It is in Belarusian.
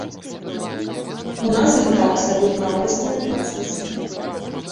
У нас гэта абсалютна розныя працэсы.